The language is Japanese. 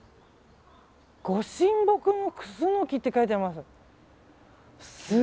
御神木のクスノキって書いてあります。